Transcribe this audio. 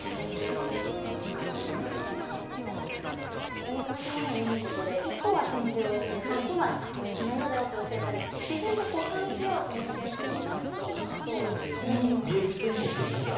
一緒に同じものを読むことで一方は点字を、一方は挿絵をこんな色だよと教えたり自然に補完し合うコミュニケーションが生まれそうだなと思いました。